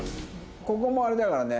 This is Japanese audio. ここもあれだからね